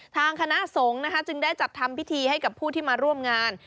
ทางคณะสงฆ์นะคะจึงได้จัดทำพิธีให้กับผู้ที่มาร่วมงาน